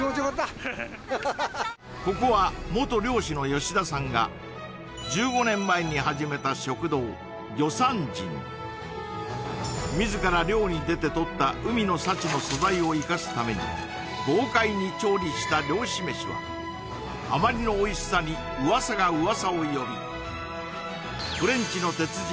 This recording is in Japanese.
ここは元漁師の吉田さんが１５年前に始めた自ら漁に出てとった海の幸の素材を生かすために豪快に調理した漁師飯はあまりのおいしさに噂が噂を呼びフレンチの鉄人